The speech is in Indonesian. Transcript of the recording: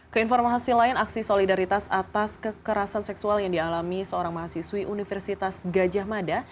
keinformasi lain aksi solidaritas atas kekerasan seksual yang dialami seorang mahasiswi universitas gajah mada